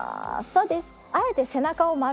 そうです。